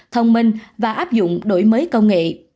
thông minh và áp dụng đổi mới công nghệ